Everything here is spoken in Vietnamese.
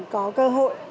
có cơ hội